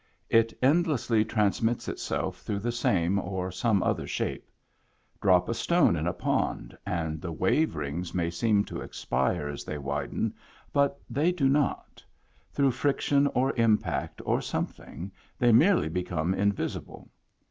It endlessly transmits itself through the same or some other shape. Drop a stone in a pond, and the wave rings may seem to expire as they widen, but they do not ; through friction or impact or something, they merely become invisible.